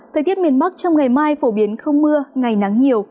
thời tiết miền bắc trong ngày mai phổ biến không mưa ngày nắng nhiều